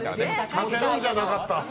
賭けるんじゃなかった。